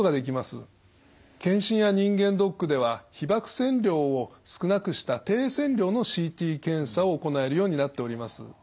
検診や人間ドックでは被ばく線量を少なくした低線量のＣＴ検査を行えるようになっております。